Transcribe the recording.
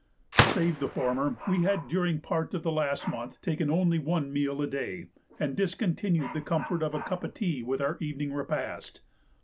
To save the former, we had during part of last month taken only one meal a day, and discontinued the comfort of a cup of tea with our evening repast.